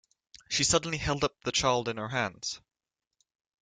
She suddenly held up the child in her hands.